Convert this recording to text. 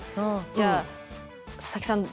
じゃあ佐々木さん